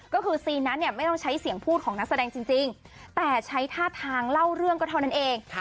ก็คือซีนนั้นเนี่ยไม่ต้องใช้เสียงพูดของนักแสดงจริงแต่ใช้ท่าทางเล่าเรื่องก็เท่านั้นเอง